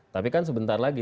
tapi kan sebentar lagi